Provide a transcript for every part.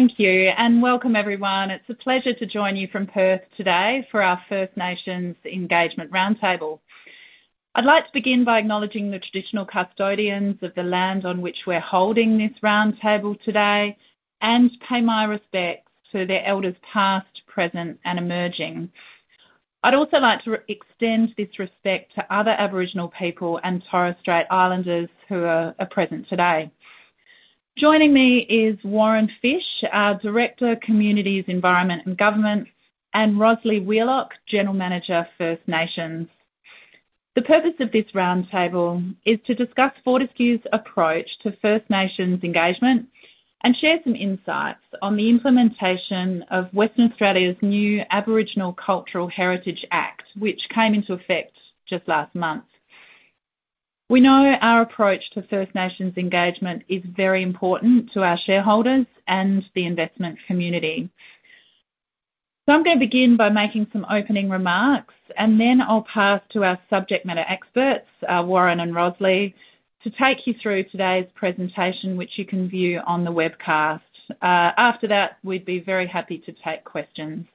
Thank you. Welcome everyone. It's a pleasure to join you from Perth today for our First Nations Engagement Roundtable. I'd like to begin by acknowledging the traditional custodians of the land on which we're holding this roundtable today, and pay my respects to their elders, past, present, and emerging. I'd also like to extend this respect to other Aboriginal people and Torres Strait Islanders who are present today. Joining me is Warren Fish, our Director, Communities, Environment, and Government, and Rosli Wheelock, General Manager, First Nations. The purpose of this roundtable is to discuss Fortescue's approach to First Nations engagement, and share some insights on the implementation of Western Australia's new Aboriginal Cultural Heritage Act, which came into effect just last month. We know our approach to First Nations engagement is very important to our shareholders and the investment community. I'm gonna begin by making some opening remarks, and then I'll pass to our subject matter experts, Warren and Rosalie, to take you through today's presentation, which you can view on the webcast. After that, we'd be very happy to take questions.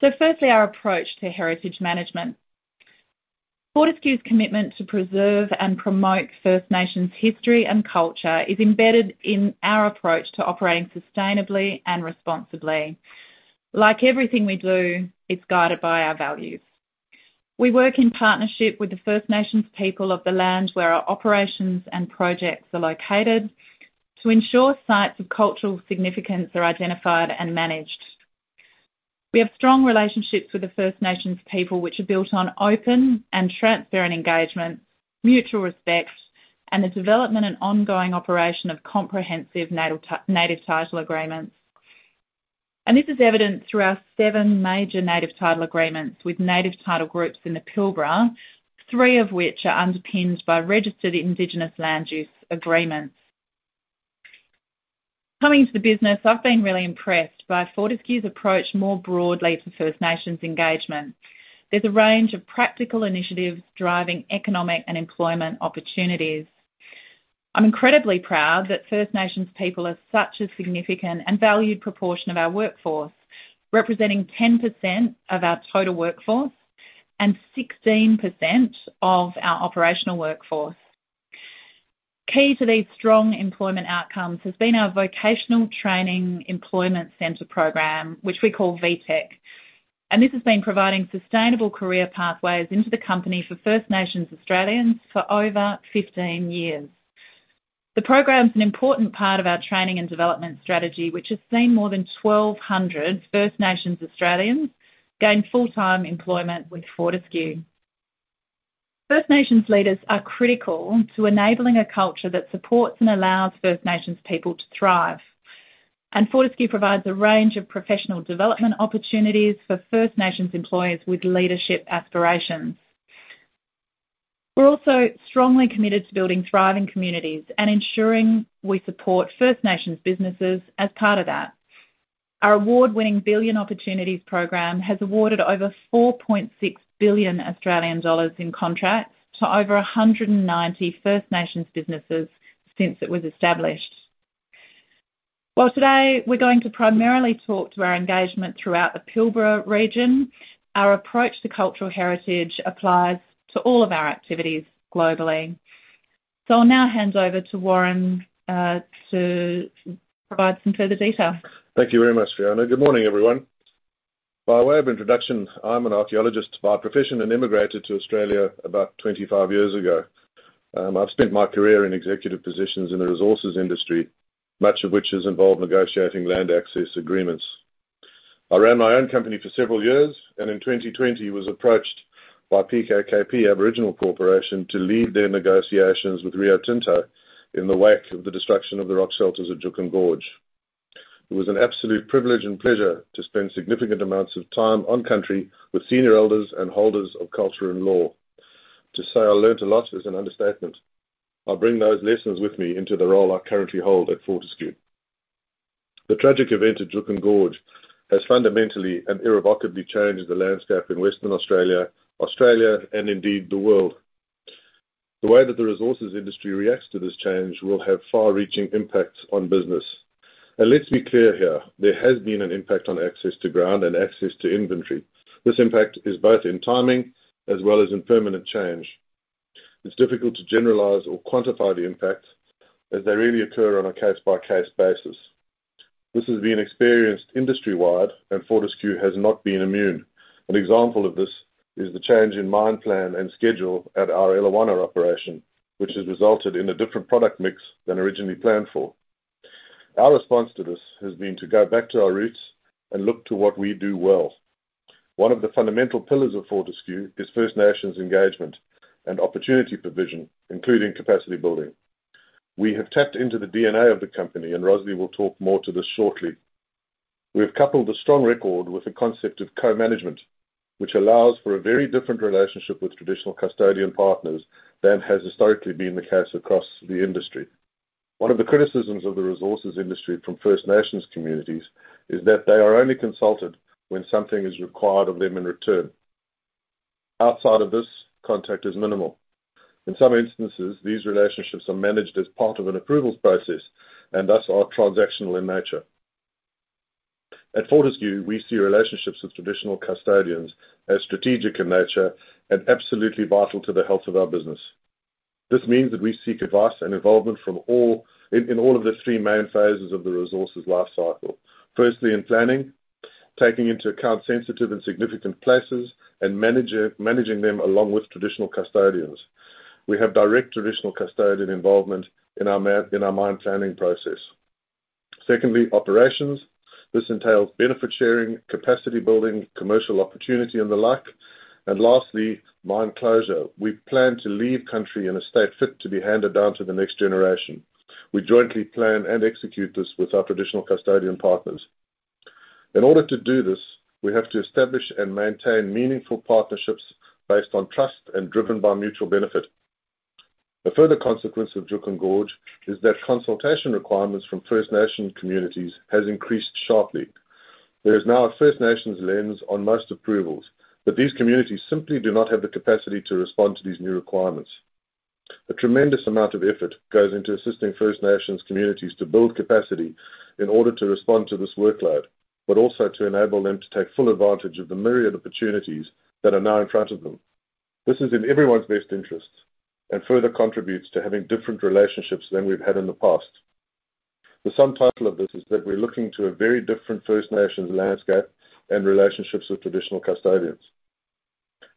Firstly, our approach to heritage management. Fortescue's commitment to preserve and promote First Nations history and culture is embedded in our approach to operating sustainably and responsibly. Like everything we do, it's guided by our values. We work in partnership with the First Nations people of the land, where our operations and projects are located, to ensure sites of cultural significance are identified and managed. We have strong relationships with the First Nations people, which are built on open and transparent engagement, mutual respect, and the development and ongoing operation of comprehensive native title agreements. This is evident through our seven major native title agreements with native title groups in the Pilbara, three of which are underpinned by registered Indigenous Land Use Agreements. Coming to the business, I've been really impressed by Fortescue's approach, more broadly, for First Nations engagement. There's a range of practical initiatives driving economic and employment opportunities. I'm incredibly proud that First Nations people are such a significant and valued proportion of our workforce, representing 10% of our total workforce and 16% of our operational workforce. Key to these strong employment outcomes has been our Vocational Training Employment Center program, which we call VTEC, and this has been providing sustainable career pathways into the company for First Nations Australians for over 15 years. The program is an important part of our training and development strategy, which has seen more than 1,200 First Nations Australians gain full-time employment with Fortescue. First Nations leaders are critical to enabling a culture that supports and allows First Nations people to thrive. Fortescue provides a range of professional development opportunities for First Nations employees with leadership aspirations. We're also strongly committed to building thriving communities and ensuring we support First Nations businesses as part of that. Our award-winning Billion Opportunities program has awarded over 4.6 billion Australian dollars in contracts to over 190 First Nations businesses since it was established. While today, we're going to primarily talk to our engagement throughout the Pilbara region, our approach to cultural heritage applies to all of our activities globally. I'll now hand over to Warren to provide some further detail. Thank you very much, Fiona. Good morning, everyone. By way of introduction, I'm an archaeologist by profession and immigrated to Australia about 25 years ago. I've spent my career in executive positions in the resources industry, much of which has involved negotiating land access agreements. I ran my own company for several years, and in 2020, was approached by PKKP Aboriginal Corporation to lead their negotiations with Rio Tinto in the wake of the destruction of the rock shelters at Juukan Gorge. It was an absolute privilege and pleasure to spend significant amounts of time on country with senior elders and holders of culture and law. To say I learned a lot is an understatement. I bring those lessons with me into the role I currently hold at Fortescue. The tragic event at Juukan Gorge has fundamentally and irrevocably changed the landscape in Western Australia, Australia, and indeed, the world. The way that the resources industry reacts to this change will have far-reaching impacts on business. Let's be clear here, there has been an impact on access to ground and access to inventory. This impact is both in timing as well as in permanent change. It's difficult to generalize or quantify the impacts as they really occur on a case-by-case basis. This has been experienced industry-wide, and Fortescue has not been immune. An example of this is the change in mine plan and schedule at our Eliwana operation, which has resulted in a different product mix than originally planned for. Our response to this has been to go back to our roots and look to what we do well. One of the fundamental pillars of Fortescue is First Nations engagement and opportunity provision, including capacity building. We have tapped into the DNA of the company, and Rosli will talk more to this shortly. We have coupled a strong record with the concept of co-management, which allows for a very different relationship with traditional custodian partners than has historically been the case across the industry. One of the criticisms of the resources industry from First Nations communities is that they are only consulted when something is required of them in return. Outside of this, contact is minimal. In some instances, these relationships are managed as part of an approvals process and thus are transactional in nature. At Fortescue, we see relationships with traditional custodians as strategic in nature and absolutely vital to the health of our business. This means that we seek advice and involvement in all of the three main phases of the resources lifecycle. Firstly, in planning, taking into account sensitive and significant places, and managing them along with traditional custodians. We have direct traditional custodian involvement in our mine planning process. Secondly, operations. This entails benefit sharing, capacity building, commercial opportunity, and the like. Lastly, mine closure. We plan to leave country in a state fit to be handed down to the next generation. We jointly plan and execute this with our traditional custodian partners. In order to do this, we have to establish and maintain meaningful partnerships based on trust and driven by mutual benefit. A further consequence of Juukan Gorge is that consultation requirements from First Nation communities has increased sharply. There is now a First Nations lens on most approvals, but these communities simply do not have the capacity to respond to these new requirements. A tremendous amount of effort goes into assisting First Nations communities to build capacity in order to respond to this workload, but also to enable them to take full advantage of the myriad opportunities that are now in front of them. This is in everyone's best interests and further contributes to having different relationships than we've had in the past. The subtitle of this is that we're looking to a very different First Nations landscape and relationships with traditional custodians.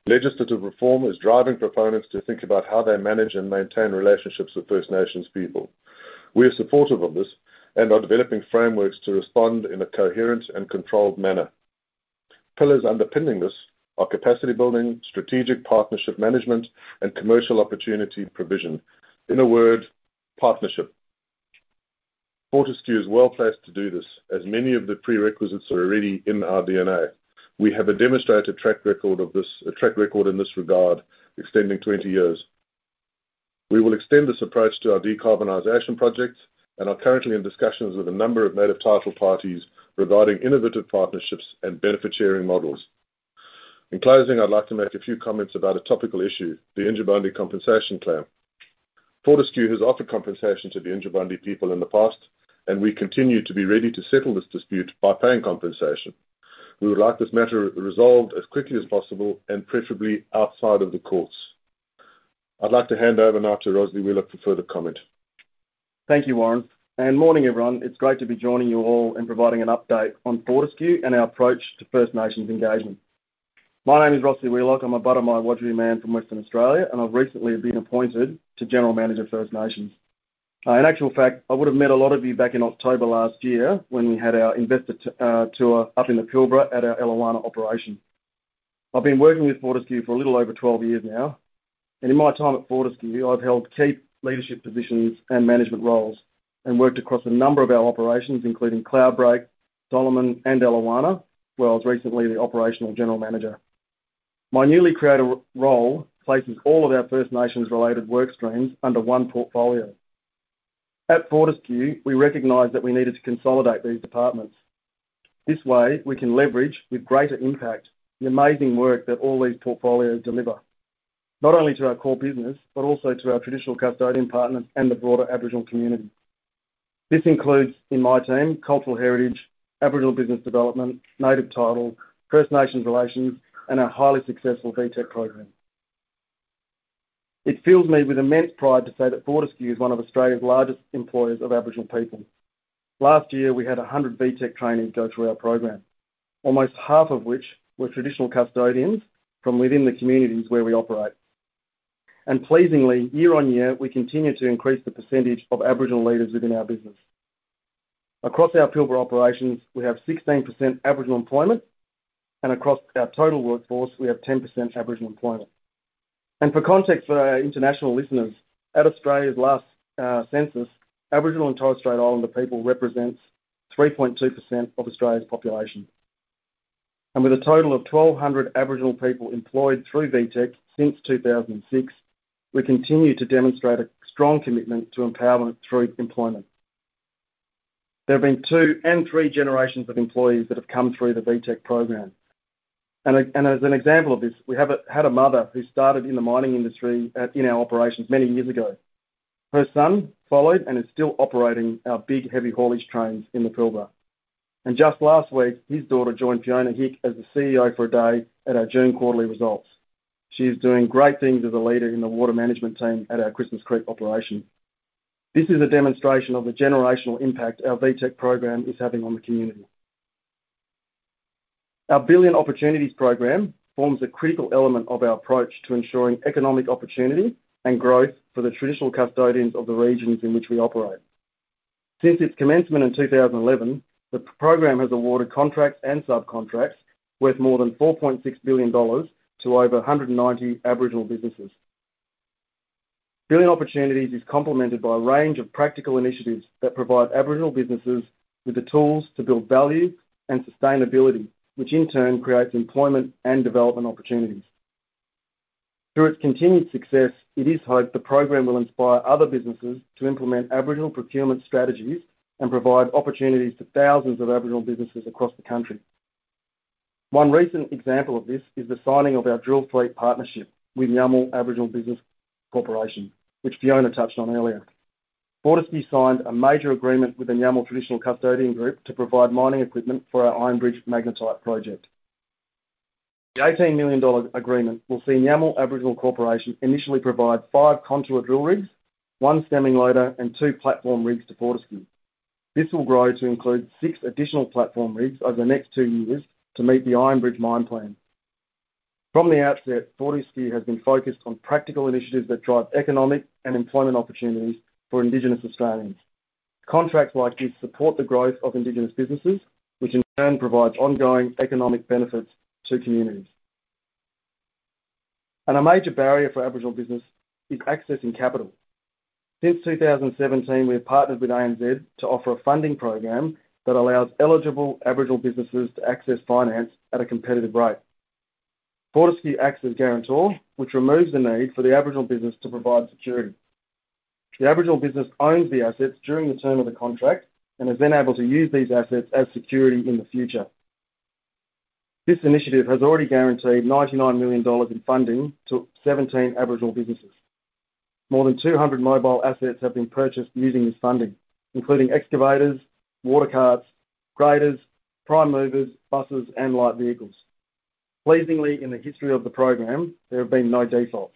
Legislative reform is driving proponents to think about how they manage and maintain relationships with First Nations people. We are supportive of this and are developing frameworks to respond in a coherent and controlled manner. Pillars underpinning this are capacity building, strategic partnership management, and commercial opportunity provision. In a word, partnership. Fortescue is well-placed to do this, as many of the prerequisites are already in our DNA. We have a demonstrated track record, a track record in this regard, extending 20 years. We will extend this approach to our decarbonization projects and are currently in discussions with a number of native title parties regarding innovative partnerships and benefit-sharing models. In closing, I'd like to make a few comments about a topical issue, the Yindjibarndi compensation claim. Fortescue has offered compensation to the Yindjibarndi people in the past, and we continue to be ready to settle this dispute by paying compensation. We would like this matter resolved as quickly as possible and preferably outside of the courts. I'd like to hand over now to Rosli Wheelock for further comment. Thank you, Warren. Morning, everyone. It's great to be joining you all and providing an update on Fortescue and our approach to First Nations engagement. My name is Rosli Wheelock. I'm a Bunuba Wadjuki man from Western Australia, and I've recently been appointed to General Manager, First Nations. In actual fact, I would have met a lot of you back in October last year when we had our investor tour up in the Pilbara at our Eliwana operation. I've been working with Fortescue for a little over 12 years now, and in my time at Fortescue, I've held key leadership positions and management roles and worked across a number of our operations including Cloudbreak, Solomon, and Eliwana, where I was recently the operational general manager. My newly created role places all of our First Nations-related work streams under one portfolio. At Fortescue, we recognized that we needed to consolidate these departments. This way, we can leverage with greater impact, the amazing work that all these portfolios deliver, not only to our core business, but also to our traditional custodian partners and the broader Aboriginal community. This includes, in my team, cultural heritage, Aboriginal business development, native title, First Nations relations, and our highly successful VTEC program. It fills me with immense pride to say that Fortescue is one of Australia's largest employers of Aboriginal people. Last year, we had 100 VTEC trainees go through our program, almost half of which were traditional custodians from within the communities where we operate. Pleasingly, year on year, we continue to increase the percentage of Aboriginal leaders within our business. Across our Pilbara operations, we have 16% Aboriginal employment, and across our total workforce, we have 10% Aboriginal employment. For context, for our international listeners, at Australia's last census, Aboriginal and Torres Strait Islander people represents 3.2% of Australia's population. With a total of 1,200 Aboriginal people employed through VTEC since 2006, we continue to demonstrate a strong commitment to empowerment through employment. There have been two and three generations of employees that have come through the VTEC program. As an example of this, we had a mother who started in the mining industry in our operations many years ago. Her son followed and is still operating our big, heavy haulage trains in the Pilbara. Just last week, his daughter joined Fiona Hick as the CEO for a day at our June quarterly results. She is doing great things as a leader in the water management team at our Christmas Creek operation. This is a demonstration of the generational impact our VTEC program is having on the community. Our Billion Opportunities program forms a critical element of our approach to ensuring economic opportunity and growth for the traditional custodians of the regions in which we operate. Since its commencement in 2011, the program has awarded contracts and subcontracts worth more than $4.6 billion to over 190 Aboriginal businesses. Billion Opportunities is complemented by a range of practical initiatives that provide Aboriginal businesses with the tools to build value and sustainability, which in turn creates employment and development opportunities. Through its continued success, it is hoped the program will inspire other businesses to implement Aboriginal procurement strategies and provide opportunities to thousands of Aboriginal businesses across the country. One recent example of this is the signing of our drill fleet partnership with Nyamal Aboriginal Business Corporation, which Fiona touched on earlier. Fortescue signed a major agreement with the Nyamal Traditional Custodian group to provide mining equipment for our Iron Bridge magnetite project. The 18 million dollar agreement will see Nyamal Aboriginal Corporation initially provide five contour drill rigs, one stemming loader, and two platform rigs to Fortescue. This will grow to include six additional platform rigs over the next two years to meet the Iron Bridge mine plan. From the outset, Fortescue has been focused on practical initiatives that drive economic and employment opportunities for Indigenous Australians. Contracts like this support the growth of Indigenous businesses, which in turn provides ongoing economic benefits to communities. A major barrier for Aboriginal business is accessing capital. Since 2017, we have partnered with ANZ to offer a funding program that allows eligible Aboriginal businesses to access finance at a competitive rate. Fortescue acts as guarantor, which removes the need for the Aboriginal business to provide security. The Aboriginal business owns the assets during the term of the contract and is then able to use these assets as security in the future. This initiative has already guaranteed 99 million dollars in funding to 17 Aboriginal businesses. More than 200 mobile assets have been purchased using this funding, including excavators, water carts, graders, prime movers, buses, and light vehicles. Pleasingly, in the history of the program, there have been no defaults.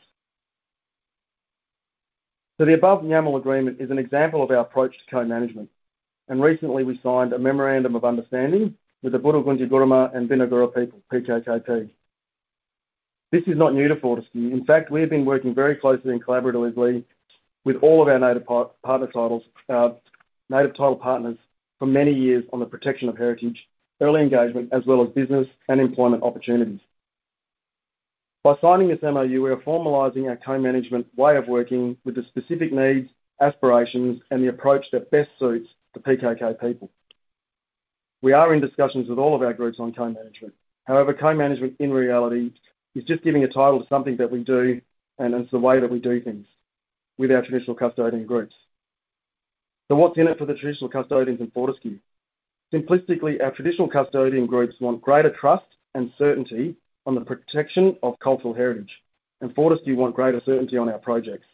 The above Nyamal agreement is an example of our approach to co-management, and recently, we signed a memorandum of understanding with the Puutu Kunti Kurrama and Pinikura People, PKKP. This is not new to Fortescue. In fact, we have been working very closely and collaboratively with all of our native partner titles, native title partners, for many years on the protection of heritage, early engagement, as well as business and employment opportunities. By signing this MoU, we are formalizing our co-management way of working with the specific needs, aspirations, and the approach that best suits the PKKP people. We are in discussions with all of our groups on co-management. However, co-management, in reality, is just giving a title to something that we do, and it's the way that we do things with our traditional custodian groups. What's in it for the traditional custodians and Fortescue? Simplistically, our traditional custodian groups want greater trust and certainty on the protection of cultural heritage, and Fortescue want greater certainty on our projects.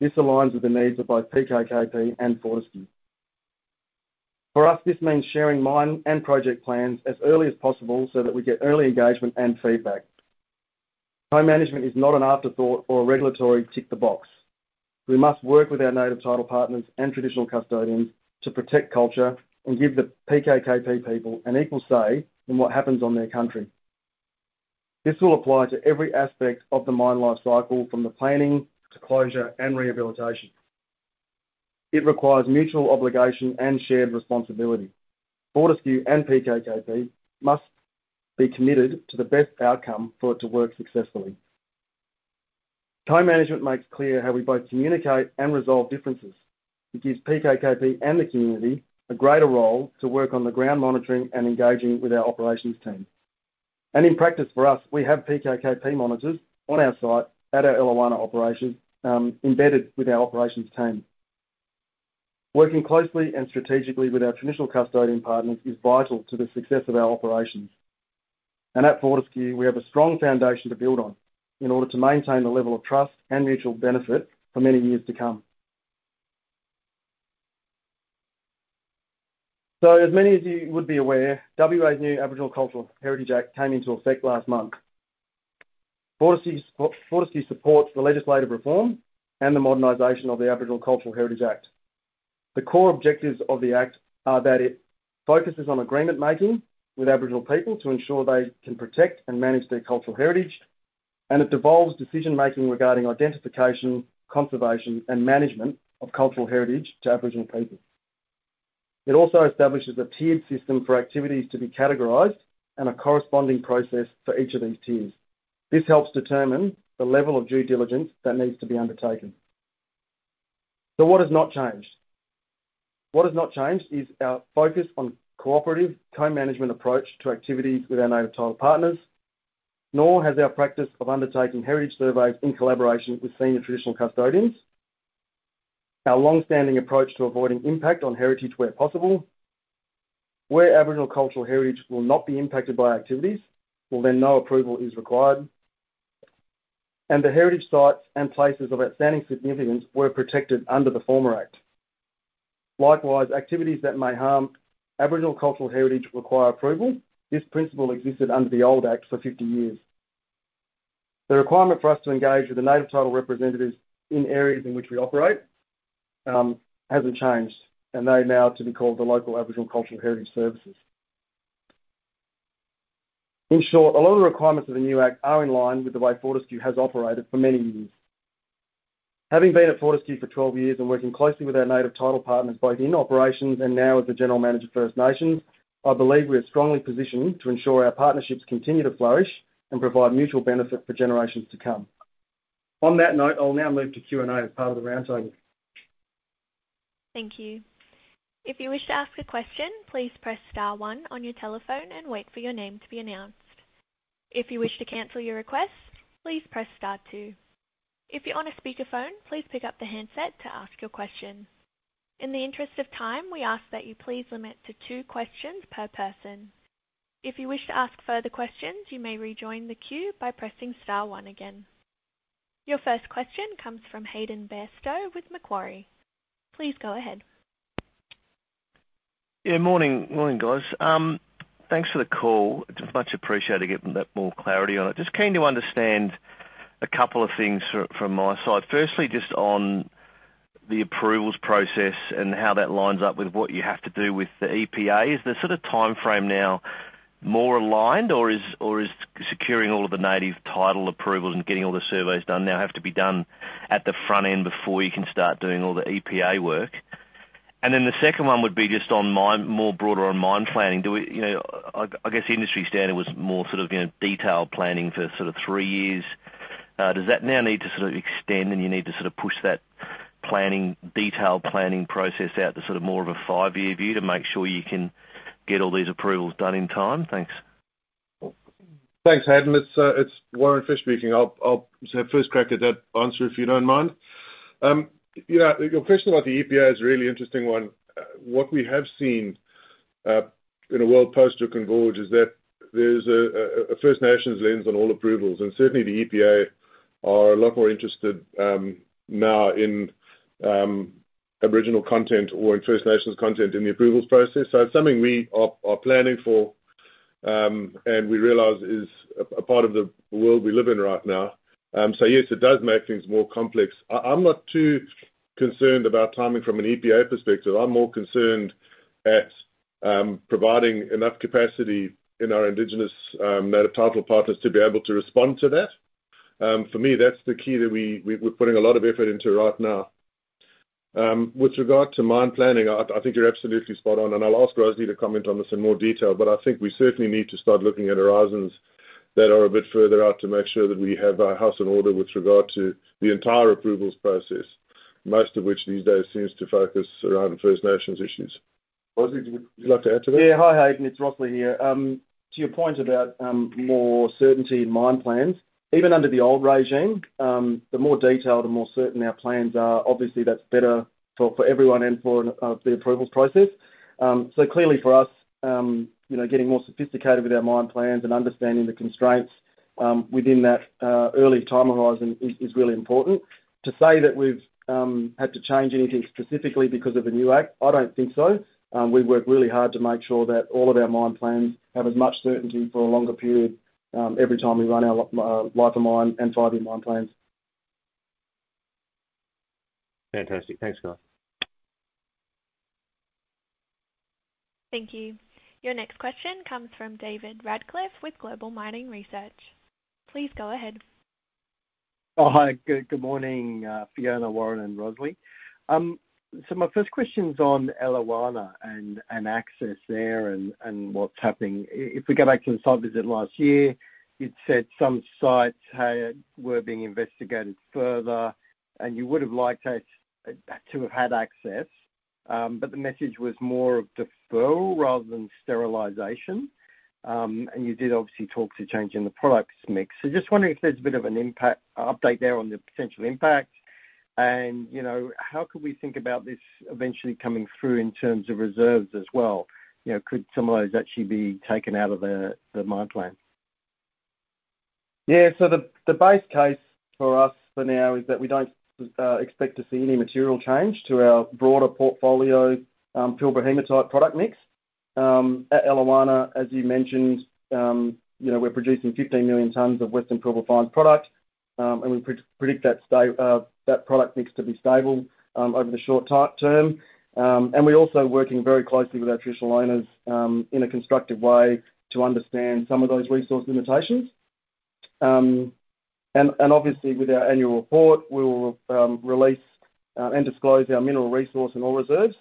This aligns with the needs of both PKKP and Fortescue. For us, this means sharing mine and project plans as early as possible so that we get early engagement and feedback. Co-management is not an afterthought or a regulatory tick-the-box. We must work with our native title partners and traditional custodians to protect culture and give the PKKP people an equal say in what happens on their country. This will apply to every aspect of the mine life cycle, from the planning to closure and rehabilitation. It requires mutual obligation and shared responsibility. Fortescue and PKKP must be committed to the best outcome for it to work successfully. Co-management makes clear how we both communicate and resolve differences. It gives PKKP and the community a greater role to work on the ground, monitoring and engaging with our operations team. In practice for us, we have PKKP monitors on our site at our Eliwana operation, embedded with our operations team. Working closely and strategically with our traditional custodian partners is vital to the success of our operations. At Fortescue, we have a strong foundation to build on in order to maintain the level of trust and mutual benefit for many years to come. As many of you would be aware, WA's new Aboriginal Cultural Heritage Act came into effect last month. Fortescue supports the legislative reform and the modernization of the Aboriginal Cultural Heritage Act. The core objectives of the act are that it focuses on agreement-making with Aboriginal people to ensure they can protect and manage their cultural heritage, and it devolves decision-making regarding identification, conservation, and management of cultural heritage to Aboriginal people. It also establishes a tiered system for activities to be categorized and a corresponding process for each of these tiers. This helps determine the level of due diligence that needs to be undertaken. What has not changed? What has not changed is our focus on cooperative co-management approach to activities with our native title partners, nor has our practice of undertaking heritage surveys in collaboration with senior traditional custodians. Our long-standing approach to avoiding impact on heritage where possible. Where Aboriginal cultural heritage will not be impacted by activities, well, then no approval is required. The heritage sites and places of outstanding significance were protected under the former act. Likewise, activities that may harm Aboriginal cultural heritage require approval. This principle existed under the old act for 50 years. The requirement for us to engage with the native title representatives in areas in which we operate, hasn't changed. They now are to be called the Local Aboriginal Cultural Heritage Services. In short, a lot of the requirements of the new act are in line with the way Fortescue has operated for many years. Having been at Fortescue for 12 years and working closely with our native title partners, both in operations and now as the General Manager of First Nations, I believe we are strongly positioned to ensure our partnerships continue to flourish and provide mutual benefit for generations to come. On that note, I'll now move to Q&A as part of the roundtable. Thank you. If you wish to ask a question, please press star one on your telephone and wait for your name to be announced. If you wish to cancel your request, please press star two. If you're on a speakerphone, please pick up the handset to ask your question. In the interest of time, we ask that you please limit to two questions per person. If you wish to ask further questions, you may rejoin the queue by pressing star one again. Your first question comes from Hayden Bairstow with Macquarie. Please go ahead. Yeah, morning. Morning, guys. Thanks for the call. It's much appreciated, getting that more clarity on it. Just keen to understand a couple of things from, from my side. Firstly, just on the approvals process and how that lines up with what you have to do with the EPA. Is the sort of timeframe now more aligned, or is, or is securing all of the native title approvals and getting all the surveys done now have to be done at the front end before you can start doing all the EPA work? Then the second one would be just on mine, more broader on mine planning. You know, I, I guess the industry standard was more sort of, you know, detailed planning for sort of three years. Does that now need to sort of extend, and you need to sort of push that planning, detailed planning process out to sort of more of a five-year view to make sure you can get all these approvals done in time? Thanks. Thanks, Hayden. It's Warren Fish speaking. I'll have first crack at that answer, if you don't mind. Yeah, your question about the EPA is a really interesting one. What we have seen in a world post-Juukan Gorge is that there's a First Nations lens on all approvals, and certainly the EPA are a lot more interested now in Aboriginal content or in First Nations content in the approvals process. It's something we are planning for, and we realize is a part of the world we live in right now. Yes, it does make things more complex. I'm not too concerned about timing from an EPA perspective. I'm more concerned at providing enough capacity in our indigenous native title partners to be able to respond to that. For me, that's the key that we're putting a lot of effort into right now. With regard to mine planning, I think you're absolutely spot on, and I'll ask Rosli to comment on this in more detail. I think we certainly need to start looking at horizons that are a bit further out, to make sure that we have our house in order with regard to the entire approvals process, most of which, these days, seems to focus around First Nations issues. Rosli, would you like to add to that? Yeah. Hi, Hayden, it's Rosli here. To your point about more certainty in mine plans, even under the old regime, the more detailed and more certain our plans are, obviously that's better for everyone and for the approvals process. Clearly for us, you know, getting more sophisticated with our mine plans and understanding the constraints within that early time horizon is really important. To say that we've had to change anything specifically because of the new act, I don't think so. We work really hard to make sure that all of our mine plans have as much certainty for a longer period, every time we run our life of mine and five-year mine plans. Fantastic. Thanks, guys. Thank you. Your next question comes from David Radclyffe with Global Mining Research. Please go ahead. Hi. Good morning, Fiona, Warren, and Rosli. My first question's on Eliwana and access there and what's happening. If we go back to the site visit last year, you'd said some sites were being investigated further, and you would have liked us to have had access, the message was more of deferral rather than sterilization. You did obviously talk to changing the products mix. Just wondering if there's a bit of an impact update there on the potential impact and, you know, how could we think about this eventually coming through in terms of reserves as well? You know, could some of those actually be taken out of the mine plan? The base case for us for now is that we don't expect to see any material change to our broader portfolio, Pilbara hematite product mix. At Eliwana, as you mentioned, you know, we're producing 15 million tons of Western Pilbara Fines product, and we predict that product mix to be stable over the short term. We're also working very closely with our traditional owners in a constructive way to understand some of those resource limitations. Obviously, with our annual report, we will release and disclose our mineral resource and all reserves,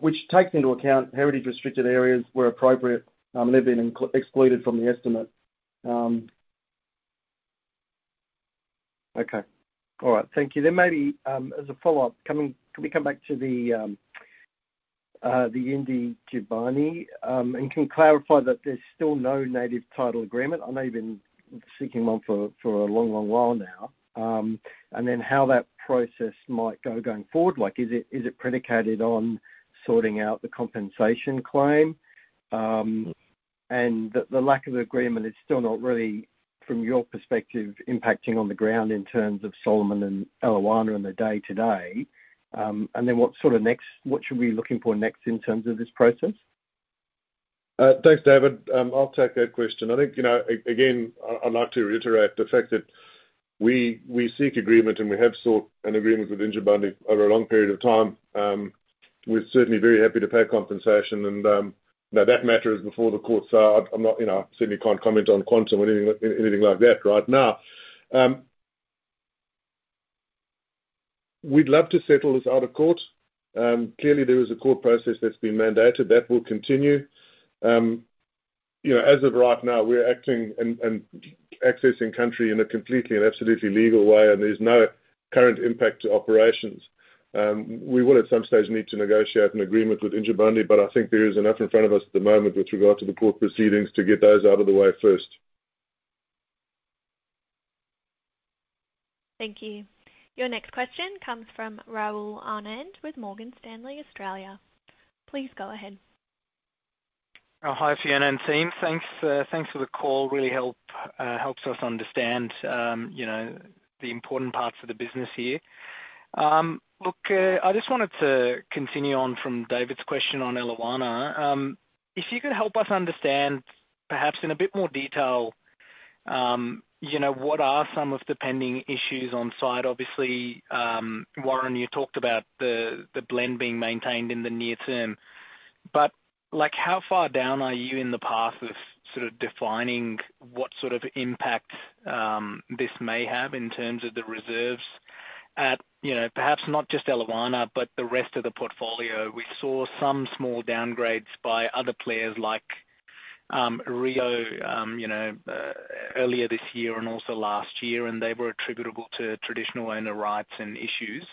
which takes into account heritage restricted areas where appropriate, and they've been excluded from the estimate. Okay. All right. Thank you. Maybe, as a follow-up, can we come back to the Yindjibarndi, and can you clarify that there's still no native title agreement? I know you've been seeking one for, for a long, long while now. How that process might go going forward? Like, is it, is it predicated on sorting out the compensation claim? The, the lack of agreement is still not really, from your perspective, impacting on the ground in terms of Solomon and Eliwana in the day-to-day? What sort of next- what should we be looking for next in terms of this process? Thanks, David. I'll take that question. I think, you know, again, I'd like to reiterate the fact that we, we seek agreement, and we have sought an agreement with Yindjibarndi over a long period of time. We're certainly very happy to pay compensation and, now that matter is before the courts, I'm not, you know, certainly can't comment on quantum or anything, anything like that right now. We'd love to settle this out of court. Clearly, there is a court process that's been mandated. That will continue. You know, as of right now, we're acting and, and accessing country in a completely and absolutely legal way, and there's no current impact to operations. We will, at some stage, need to negotiate an agreement with Yindjibarndi, but I think there is enough in front of us at the moment with regard to the court proceedings, to get those out of the way first. Thank you. Your next question comes from Rahul Anand with Morgan Stanley, Australia. Please go ahead. Hi, Fiona and team. Thanks, thanks for the call. Really help, helps us understand, you know, the important parts of the business here. Look, I just wanted to continue on from David's question on Eliwana. If you could help us understand, perhaps in a bit more detail, you know, what are some of the pending issues on site? Obviously, Warren, you talked about the, the blend being maintained in the near term. Like, how far down are you in the path of sort of defining what sort of impact this may have in terms of the reserves at, you know, perhaps not just Eliwana, but the rest of the portfolio? We saw some small downgrades by other players like, Rio, you know, earlier this year and also last year, and they were attributable to traditional owner rights and issues.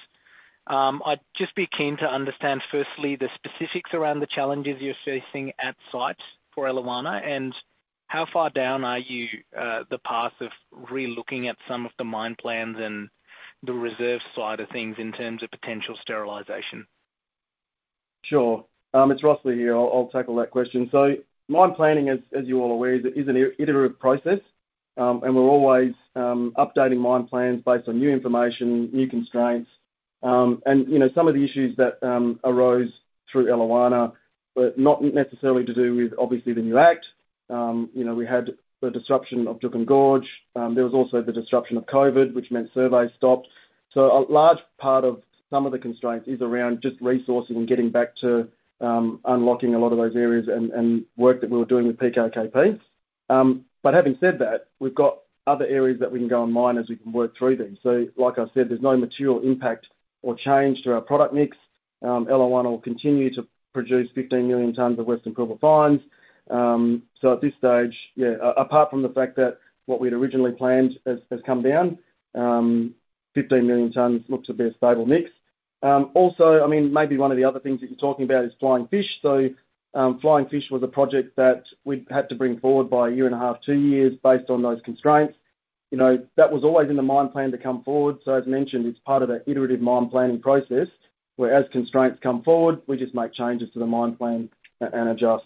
I'd just be keen to understand, firstly, the specifics around the challenges you're facing at site for Eliwana, and how far down are you, the path of relooking at some of the mine plans and the reserve side of things in terms of potential sterilization? Sure. It's Rosli here. I'll tackle that question. Mine planning, as you're all aware, is an iterative process. We're always updating mine plans based on new information, new constraints. You know, some of the issues that arose through Eliwana were not necessarily to do with, obviously, the new act. You know, we had the disruption of Juukan Gorge. There was also the disruption of COVID, which meant surveys stopped. A large part of some of the constraints is around just resourcing and getting back to unlocking a lot of those areas and work that we were doing with PKKP. Having said that, we've got other areas that we can go and mine as we can work through these. Like I said, there's no material impact or change to our product mix. Eliwana will continue to produce 15 million tons of West Pilbara Fines. At this stage, yeah, apart from the fact that what we'd originally planned has, has come down, 15 million tons looks to be a stable mix. Also, I mean, maybe one of the other things you were talking about is Flying Fish. Flying Fish was a project that we'd had to bring forward by 1.5 years, two years, based on those constraints. You know, that was always in the mine plan to come forward. As mentioned, it's part of that iterative mine planning process, where as constraints come forward, we just make changes to the mine plan and adjust.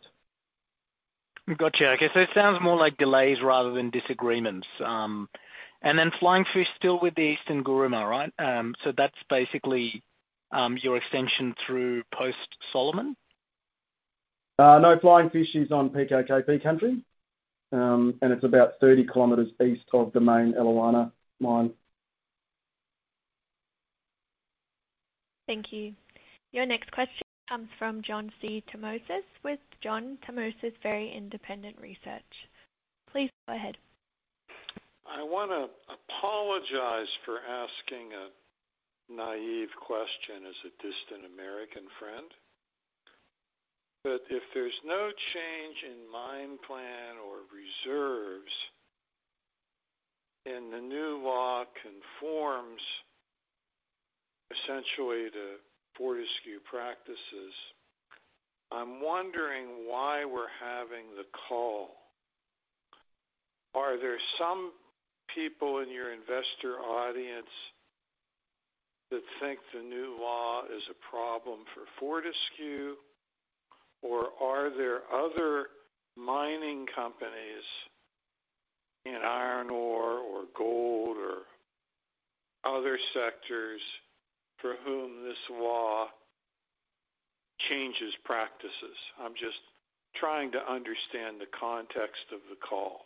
Gotcha. Okay, so it sounds more like delays rather than disagreements. Flying Fish still with the Eastern Guruma, right? That's basically, your extension through post Solomon? No, Flying Fish is on PKKP country. It's about 30 km east of the main Eliwana mine. Thank you. Your next question comes from John C. Tumazos, with John Tumazos Very Independent Research. Please go ahead. I wanna apologize for asking a naive question as a distant American friend. If there's no change in mine plan or reserves, and the new law conforms essentially to Fortescue practices, I'm wondering why we're having the call. Are there some people in your investor audience that think the new law is a problem for Fortescue? Are there other mining companies in iron ore, or gold, or other sectors for whom this law changes practices? I'm just trying to understand the context of the call.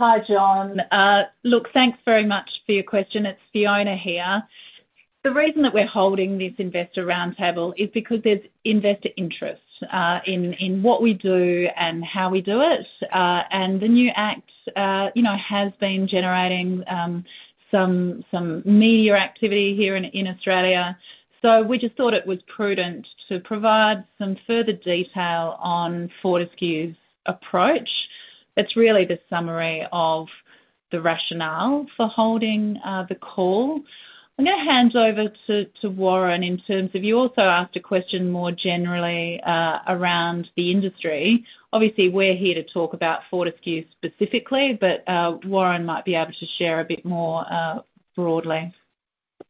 Hi, John. Look, thanks very much for your question. It's Fiona here. The reason that we're holding this investor roundtable is because there's investor interest in, in what we do and how we do it. And the new act, you know, has been generating some, some media activity here in, in Australia, so we just thought it was prudent to provide some further detail on Fortescue's approach. That's really the summary of the rationale for holding the call. I'm gonna hand over to, to Warren in terms of, you also asked a question more generally around the industry. Obviously, we're here to talk about Fortescue specifically, but Warren might be able to share a bit more broadly.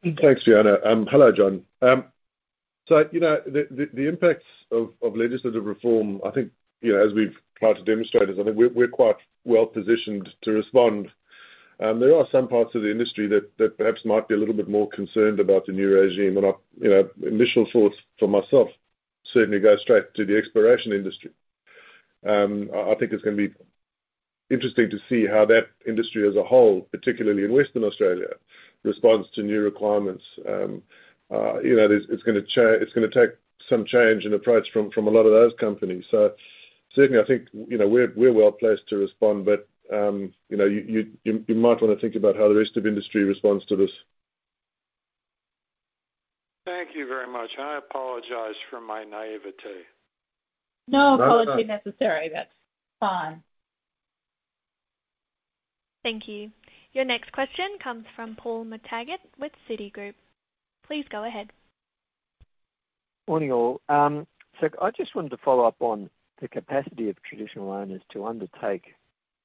Thanks, Fiona. Hello, John. You know, the, the, the impacts of, of legislative reform, I think, you know, as we've tried to demonstrate, is I think we're, we're quite well positioned to respond. There are some parts of the industry that, that perhaps might be a little bit more concerned about the new regime. I, you know, initial thoughts for myself, certainly go straight to the exploration industry. I, I think it's gonna be interesting to see how that industry as a whole, particularly in Western Australia, responds to new requirements. You know, there's, it's gonna take some change in approach from, from a lot of those companies. Certainly, I think, you know, we're, we're well placed to respond, but, you know, you, you, you might wanna think about how the rest of industry responds to this. Thank you very much, and I apologize for my naiveté. No apology necessary. That's fine. Thank you. Your next question comes from Paul McTaggart with Citigroup. Please go ahead. Morning, all. I just wanted to follow up on the capacity of traditional owners to undertake,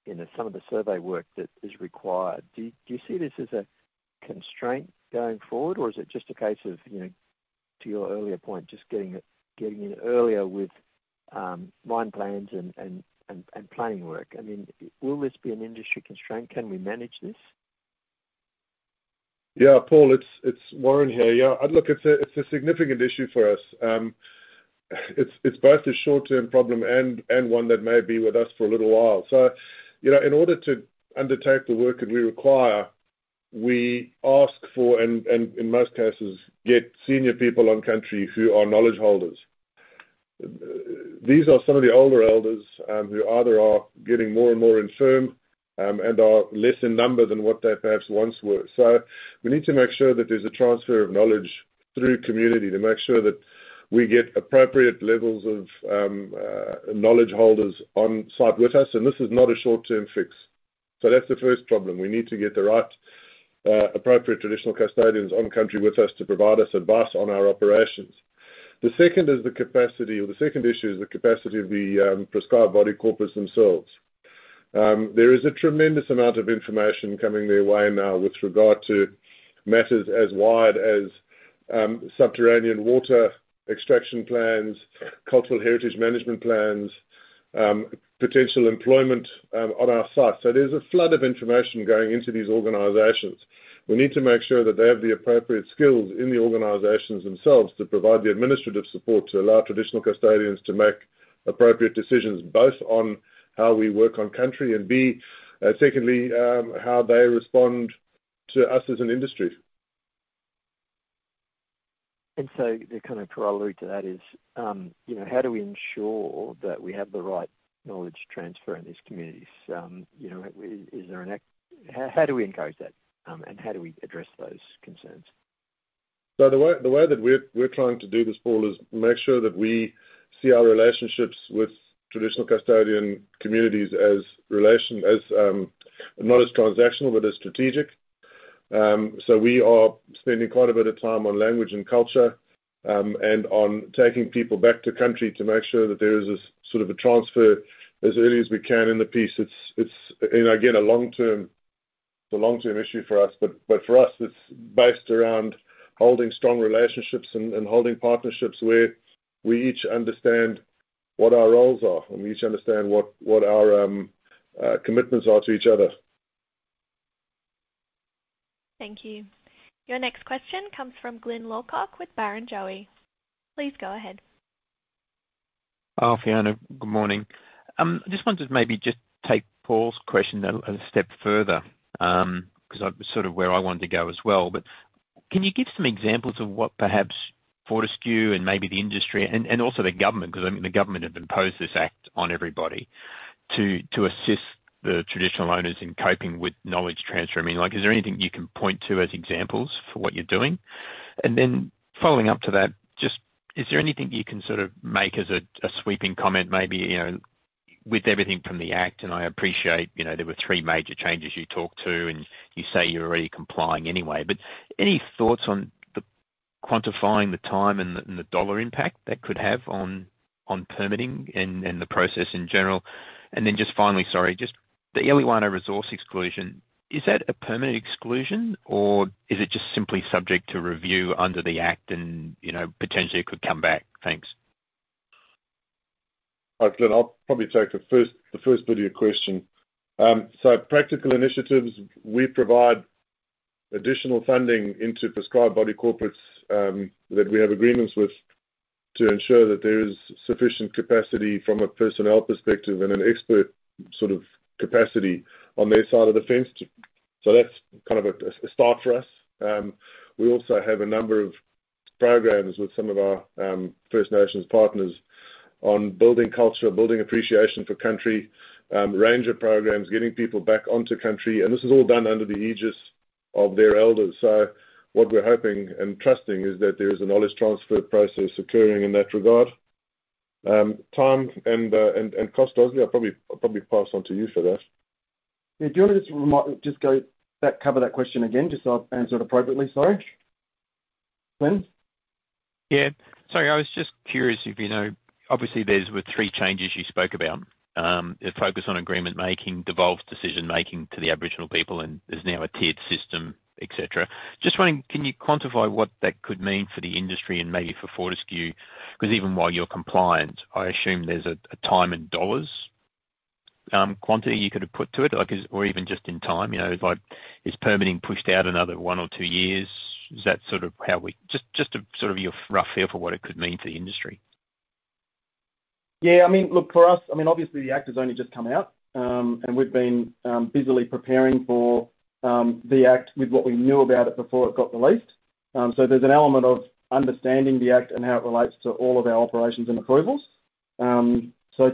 you know, some of the survey work that is required. Do, do you see this as a constraint going forward, or is it just a case of, you know, to your earlier point, just getting it, getting in earlier with mine plans and, and, and, and planning work? I mean, will this be an industry constraint? Can we manage this? Yeah, Paul, it's Warren here. Yeah, I'd look, it's a significant issue for us. It's both a short-term problem and one that may be with us for a little while. You know, in order to undertake the work that we require, we ask for and in most cases, get senior people on country who are knowledge holders. These are some of the older elders who either are getting more and more infirm and are less in number than what they perhaps once were. We need to make sure that there's a transfer of knowledge through community to make sure that we get appropriate levels of knowledge holders on site with us, and this is not a short-term fix. That's the first problem. We need to get the right appropriate traditional custodians on country with us to provide us advice on our operations. The second is the capacity, or the second issue is the capacity of the Prescribed Bodies Corporate themselves. There is a tremendous amount of information coming their way now with regard to matters as wide as subterranean water extraction plans, cultural heritage management plans, potential employment on our site. There's a flood of information going into these organizations. We need to make sure that they have the appropriate skills in the organizations themselves to provide the administrative support to allow traditional custodians to make appropriate decisions, both on how we work on country, and secondly, how they respond to us as an industry. The kind of prelude to that is, you know, how do we ensure that we have the right knowledge transfer in these communities? You know, is, is there an, how, how do we encourage that? How do we address those concerns? The way, the way that we're, we're trying to do this, Paul, is make sure that we see our relationships with traditional custodian communities as not as transactional, but as strategic. We are spending quite a bit of time on language and culture, and on taking people back to country to make sure that there is a sort of a transfer as early as we can in the piece. It's a long-term issue for us, but for us, it's based around holding strong relationships and holding partnerships where we each understand what our roles are, and we each understand what, what our commitments are to each other. Thank you. Your next question comes from Glyn Lawcock with Barrenjoey. Please go ahead. Oh, Fiona, good morning. I just wanted to maybe just take Paul's question a step further, 'cause that's sort of where I wanted to go as well. Can you give some examples of what perhaps Fortescue and maybe the industry and also the government, 'cause, I mean, the government have imposed this Act on everybody, to assist the traditional owners in coping with knowledge transfer? I mean, like, is there anything you can point to as examples for what you're doing? Then following up to that, just is there anything you can sort of make as a sweeping comment, maybe, you know, with everything from the Act, and I appreciate, you know, there were three major changes you talked to, and you say you're already complying anyway. Any thoughts on quantifying the time and the dollar impact that could have on permitting and the process in general? Then just finally, sorry, just the Yindjibarndi resource exclusion, is that a permanent exclusion or is it just simply subject to review under the Act and, you know, potentially it could come back? Thanks. Hi, Glyn. I'll probably take the first, the first bit of your question. Practical initiatives, we provide additional funding into Prescribed Bodies Corporate, that we have agreements with, to ensure that there is sufficient capacity from a personnel perspective and an expert sort of capacity on their side of the fence. That's kind of a, a start for us. We also have a number of programs with some of our, First Nations partners on building culture, building appreciation for country, ranger programs, getting people back onto country, and this is all done under the aegis of their elders. What we're hoping and trusting is that there is a knowledge transfer process occurring in that regard. Time and, and, and cost, Aussie, I'll probably, I'll probably pass on to you for that. Do you want to just go that, cover that question again, just so I'll answer it appropriately? Sorry. Glyn? Yeah. Sorry, I was just curious if, you know, obviously, there's were three changes you spoke about. A focus on agreement making, devolved decision-making to the Aboriginal people, and there's now a tiered system, etcetera. Just wondering, can you quantify what that could mean for the industry and maybe for Fortescue? 'Cause even while you're compliant, I assume there's a, a time in dollars quantity you could have put to it, like, is, or even just in time, you know, like, is permitting pushed out another one or two years? Is that sort of how we... Just a sort of your rough feel for what it could mean for the industry. Yeah, I mean, look, for us, I mean, obviously, the Act has only just come out. We've been busily preparing for the Act with what we knew about it before it got released. There's an element of understanding the Act and how it relates to all of our operations and approvals. To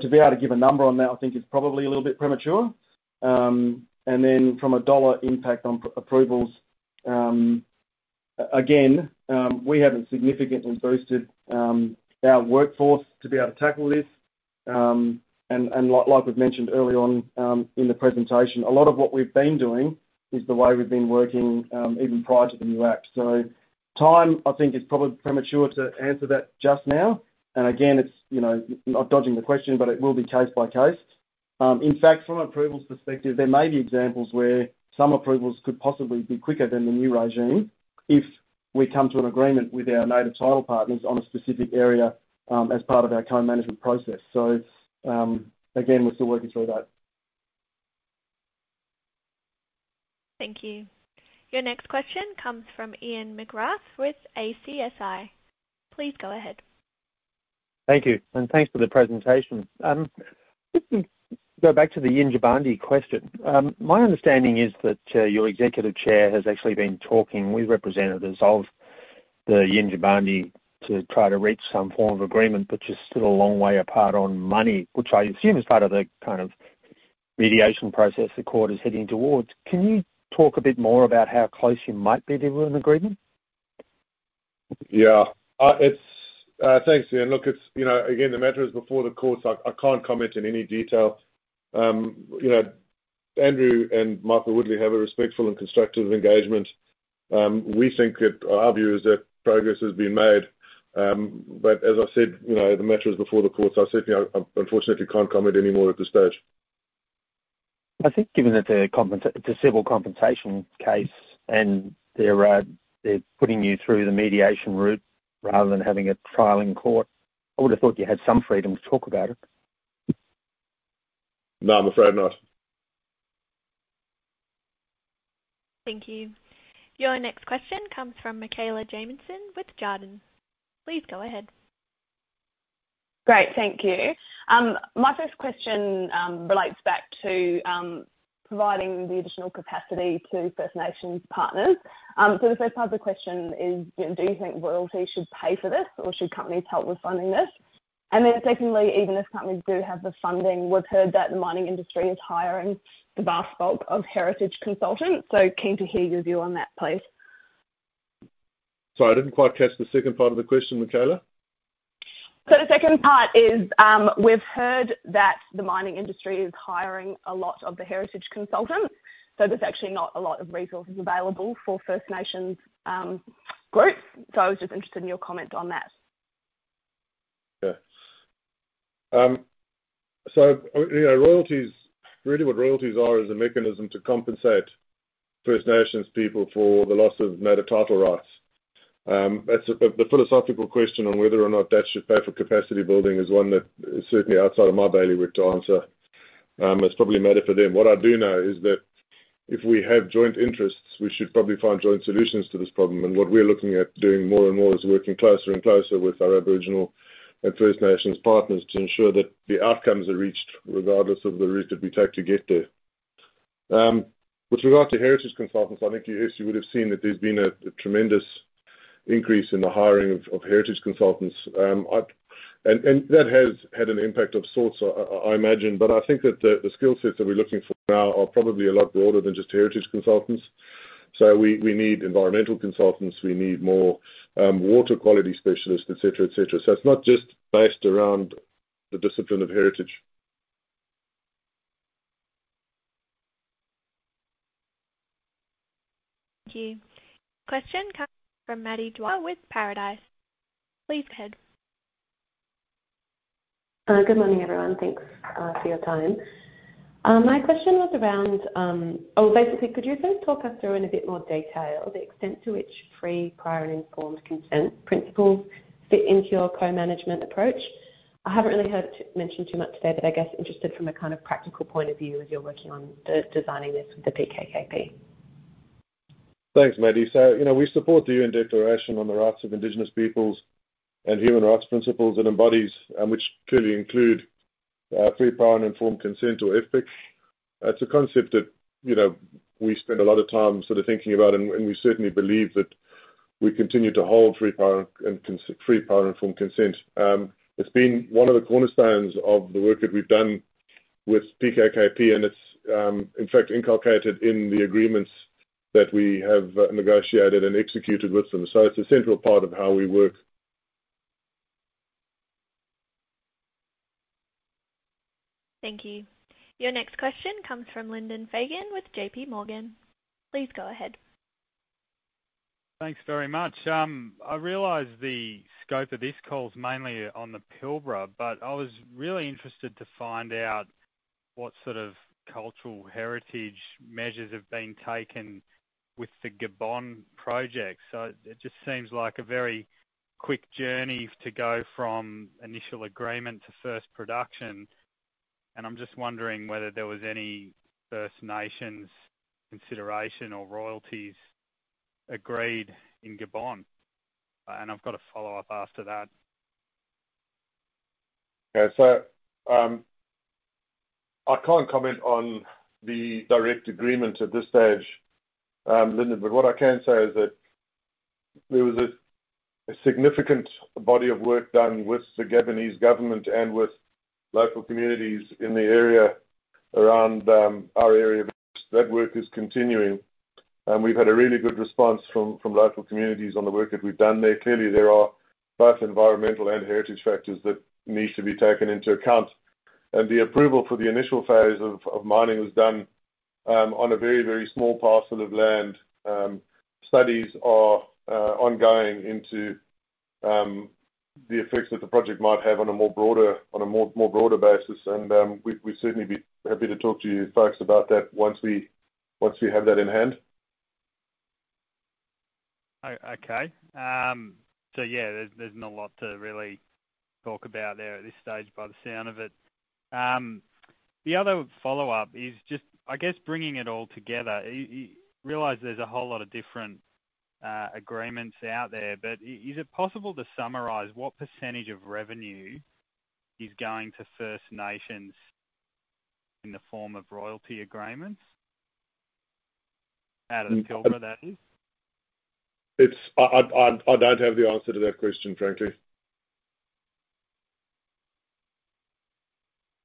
be able to give a number on that, I think is probably a little bit premature. From an AUD impact on approvals, again, we haven't significantly boosted our workforce to be able to tackle this. Like we've mentioned early on in the presentation, a lot of what we've been doing is the way we've been working even prior to the new act. Time, I think, it's probably premature to answer that just now. Again, it's, you know, not dodging the question, but it will be case by case. In fact, from an approvals perspective, there may be examples where some approvals could possibly be quicker than the new regime if we come to an agreement with our native title partners on a specific area as part of our co-management process. Again, we're still working through that. Thank you. Your next question comes from Edan McGrath with ACSI. Please go ahead. Thank you, thanks for the presentation. Just to go back to the Yindjibarndi question. My understanding is that your executive chair has actually been talking with representatives of the Yindjibarndi to try to reach some form of agreement, but you're still a long way apart on money, which I assume is part of the kind of mediation process the court is heading towards. Can you talk a bit more about how close you might be to an agreement? It's-- thanks, Ian. Look, it's, you know, again, the matter is before the courts. I, I can't comment in any detail. You know, Andrew and Michael Woodley have a respectful and constructive engagement. We think that-- our view is that progress has been made. As I said, you know, the matter is before the courts. I certainly, unfortunately, can't comment any more at this stage. I think given that it's a civil compensation case, and they're putting you through the mediation route rather than having a trial in court, I would have thought you had some freedom to talk about it. No, I'm afraid not. Thank you. Your next question comes from Michaela Jamison with Jarden. Please go ahead. Great, thank you. My first question relates back to providing the additional capacity to First Nations partners. The first part of the question is, do you think royalties should pay for this, or should companies help with funding this? Secondly, even if companies do have the funding, we've heard that the mining industry is hiring the vast bulk of heritage consultants, so keen to hear your view on that, please. Sorry, I didn't quite catch the second part of the question, Michaela. The second part is, we've heard that the mining industry is hiring a lot of the heritage consultants, so there's actually not a lot of resources available for First Nations, groups. I was just interested in your comment on that. Yeah. You know, royalties, really what royalties are is a mechanism to compensate First Nations people for the loss of native title rights. That's the philosophical question on whether or not that should pay for capacity building is one that is certainly outside of my bailiwick to answer. It's probably a matter for them. What I do know is that if we have joint interests, we should probably find joint solutions to this problem. What we're looking at doing more and more is working closer and closer with our Aboriginal and First Nations partners to ensure that the outcomes are reached, regardless of the route that we take to get there. With regard to heritage consultants, I think you, yes, you would have seen that there's been a tremendous increase in the hiring of heritage consultants. I... That has had an impact of sorts, I, I imagine, but I think that the skill sets that we're looking for now are probably a lot broader than just heritage consultants. We need environmental consultants. We need more water quality specialists, et cetera, et cetera. It's not just based around the discipline of heritage. Thank you. Question coming from Maddy Dwyer with Paradice. Please go ahead. Good morning, everyone. Thanks for your time. My question was around... Oh, basically, could you first talk us through in a bit more detail, the extent to which free, prior, and informed consent principles fit into your co-management approach? I haven't really heard it mentioned too much today, but I guess interested from a kind of practical point of view as you're working on designing this with the PKKP. Thanks, Maddie. You know, we support the UN Declaration on the Rights of Indigenous Peoples and Human Rights Principles, and embodies, which clearly include free, prior, and informed consent or FPIC. It's a concept that, you know, we spend a lot of time sort of thinking about, and, and we certainly believe that we continue to hold free, prior, and free, prior, and informed consent. It's been one of the cornerstones of the work that we've done with PKKP, and it's, in fact, inculcated in the agreements that we have negotiated and executed with them. It's a central part of how we work. Thank you. Your next question comes from Lyndon Fagan with J.P. Morgan. Please go ahead. Thanks very much. I realize the scope of this call is mainly on the Pilbara, but I was really interested to find out what sort of cultural heritage measures have been taken with the Gabon project. It just seems like a very quick journey to go from initial agreement to first production, and I'm just wondering whether there was any First Nations consideration or royalties agreed in Gabon. I've got a follow-up after that. I can't comment on the direct agreement at this stage, Lyndon, but what I can say is that there was a significant body of work done with the Gabonese government and with local communities in the area around our area. That work is continuing, and we've had a really good response from, from local communities on the work that we've done there. Clearly, there are both environmental and heritage factors that need to be taken into account, and the approval for the initial phase of mining was done on a very, very small parcel of land. Studies are ongoing into the effects that the project might have on a more broader, on a more, more broader basis. We'd, we'd certainly be happy to talk to you folks about that once we, once we have that in hand. Okay. Yeah, there's, there's not a lot to really talk about there at this stage by the sound of it. The other follow-up is just, I guess, bringing it all together. Realize there's a whole lot of different, agreements out there, but is it possible to summarize what percentage of revenue is going to First Nations in the form of royalty agreements? Out of the Pilbara, that is. I don't have the answer to that question, frankly.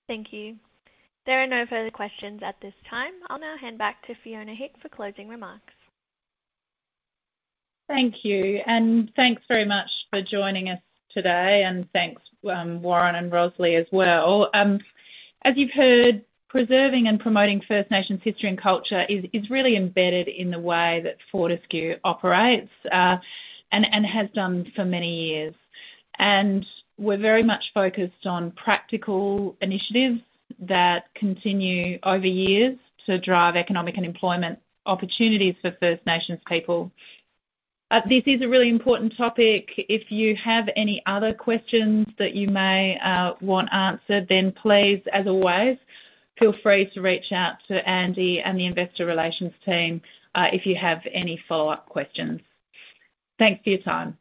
Thank you. There are no further questions at this time. I'll now hand back to Fiona Hick for closing remarks. Thank you, and thanks very much for joining us today. Thanks, Warren and Rosli as well. As you've heard, preserving and promoting First Nations history and culture is, is really embedded in the way that Fortescue operates, and has done for many years. We're very much focused on practical initiatives that continue over years to drive economic and employment opportunities for First Nations people. This is a really important topic. If you have any other questions that you may want answered, then please, as always, feel free to reach out to Andy and the Investor Relations team, if you have any follow-up questions. Thanks for your time.